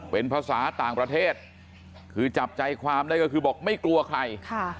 เป็นภาษาต่างประเทศคือจับใจความได้ก็คือบอกไม่กลัวใคร